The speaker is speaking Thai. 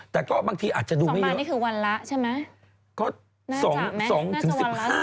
แต่ก็บางทีอาจจะดูไม่เยอะ